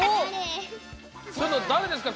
ちょっとだれですか？